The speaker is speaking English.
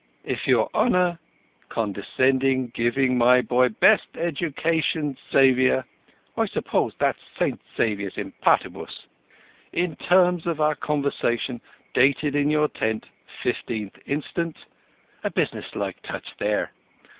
'If your Honour condescending giving my boy best educations Xavier' (I suppose that's St Xavier's in Partibus) 'in terms of our conversation dated in your tent 15th instant' (a business like touch there!)